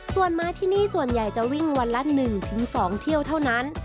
ส่วนมาที่นี่ส่วนใหญ่จะวิ่งวันละ๑๒เที่ยวเท่านั้น